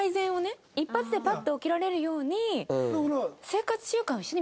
一発でパッと起きられるように多分そう。